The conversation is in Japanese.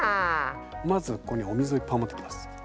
まずここにお水をいっぱい持ってきます。